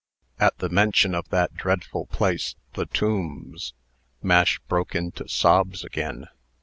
] At the mention of that dreadful place, the "Tombs," Mash broke into sobs again.